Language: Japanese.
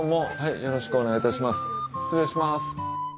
よろしくお願いいたします失礼します。